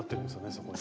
そこに。